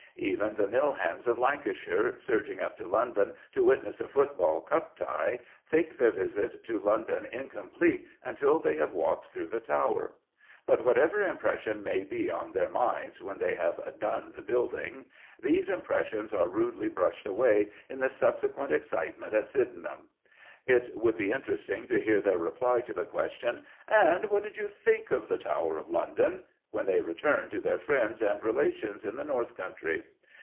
Even the mill hands of Lancashire, surging up to London to witness a football "cup tie," think their visit to London incomplete until they have walked through the Tower. But whatever impressions may be on their minds when they have "done" the building, these impressions are rudely brushed away in the subsequent excitement at Sydenham. It would be interesting to hear their reply to the question, "And what did you think of the Tower of London?" when they returned to their friends and relations in the North country.